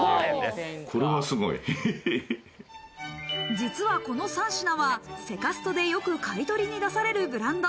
実はこの３品はセカストでよく買取に出されるブランド。